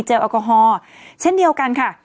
แอลกอฮอล์เช่นเดียวกันค่ะ